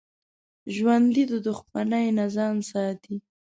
ژوندي د دښمنۍ نه ځان ساتي